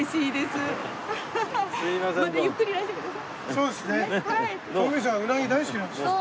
そうですね。